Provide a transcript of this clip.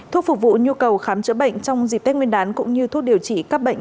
thuốc phục vụ nhu cầu khám chữa bệnh trong dịp tết nguyên đán cũng như thuốc điều trị các bệnh